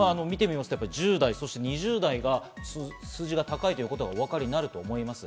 １０代、２０代が数字が高いのがお分かりになると思います。